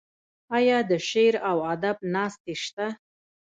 آیا د شعر او ادب ناستې شته؟